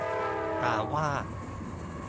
ถามว่า